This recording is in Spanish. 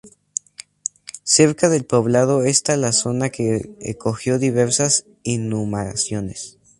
Cerca del poblado está la zona que acogió diversas inhumaciones.